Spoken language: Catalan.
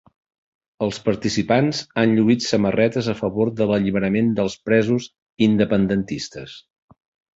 Els participants han lluït samarretes a favor de l'alliberament dels presos independentistes.